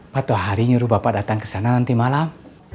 patuh hari nyuruh bapak datang kesana nanti malam